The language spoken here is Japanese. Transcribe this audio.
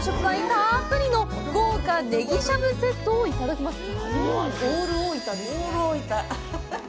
たっぷりの豪華ねぎしゃぶセットをいただけます。